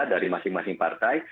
dari masing masing partai